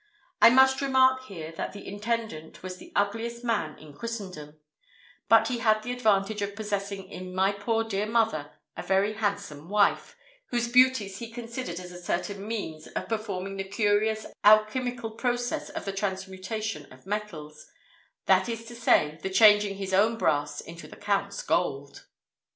I must remark here, that the intendant was the ugliest man in Christendom, but he had the advantage of possessing in my poor dear mother a very handsome wife, whose beauties he considered as a certain means of performing the curious alchymical process of the transmutation of metals; that is to say, the changing his own brass into the Count's gold.